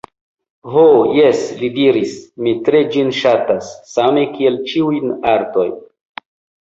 Ho jes, li diris, mi tre ĝin ŝatas, same kiel ĉiujn artojn.